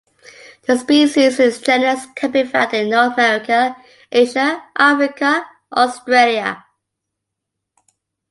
The species in this genus can be found in North America, Asia, Africa, Australia.